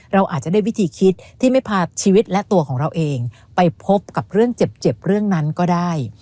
เราอาจจะได้วิธีคิดที่ไม่พาชีวิตและตัวของเราเองไปพบกับเรื่องเจ็บเรื่องนั้นก็ได้